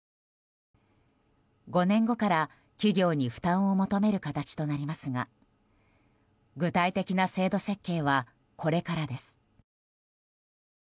５年後から企業に負担を求める形となりますが具体的な制度設計はこれからです。